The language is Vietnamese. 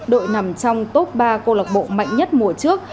đội nằm trong top ba công an hà nội mạnh nhất mùa trước